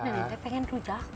nenek pengen rujak